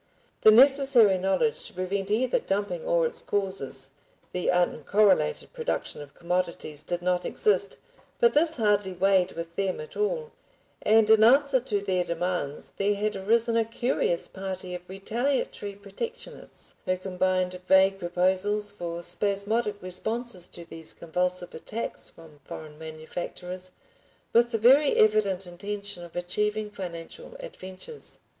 The necessary knowledge to prevent either dumping or its causes, the uncorrelated production of commodities, did not exist, but this hardly weighed with them at all, and in answer to their demands there had arisen a curious party of retaliatory protectionists who combined vague proposals for spasmodic responses to these convulsive attacks from foreign manufacturers, with the very evident intention of achieving financial adventures.